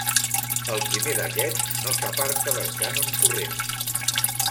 El primer d'aquests no s'aparta del cànon corrent.